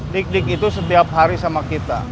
dik dik itu setiap hari sama kita